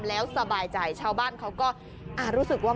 แล้วสบายใจชาวบ้านเขาก็รู้สึกว่า